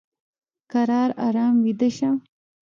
کرار ارام ویده شه !